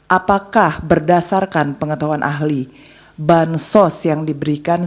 apakah berdasarkan pengetahuan ahli bansos yang diberikan